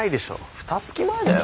ふたつき前だよ？